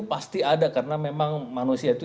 pasti ada karena memang manusia itu